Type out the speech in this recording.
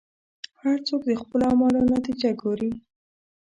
هر څوک د خپلو اعمالو نتیجه ګوري.